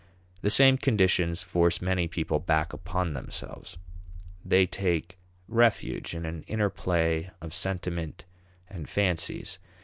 The same conditions force many people back upon themselves. They take refuge in an inner play of sentiment and fancies.